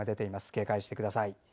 警戒してください。